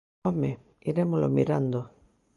¡Home! Irémolo mirando.